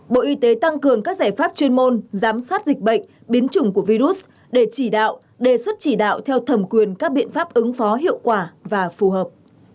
bộ y tế tăng cường các giải pháp chuyên môn giám sát dịch bệnh biến chủng của virus để chỉ đạo đề xuất chỉ đạo theo thẩm quyền các biện pháp ứng phó hiệu quả và phù hợp